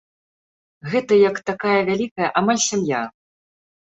Гэта як такая вялікая амаль сям'я.